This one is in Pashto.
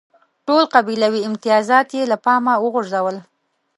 ټول قبیلوي امتیازات یې له پامه وغورځول.